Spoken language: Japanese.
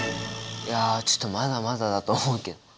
いやちょっとまだまだだと思うけど。